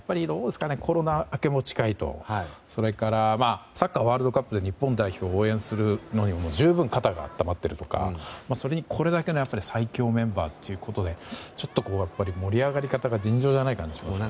コロナ明けも近いしそれからサッカーワールドカップで日本代表を応援するので十分、肩が温まっているとかそれにこれだけの最強メンバーということでちょっと、盛り上がり方が尋常じゃない感じがしますね。